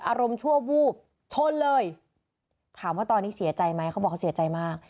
อารมณ์ชั่ววูบชนเลยถามว่าตอนนี้เสียใจไหมเขาบอกเขาเสียใจมาก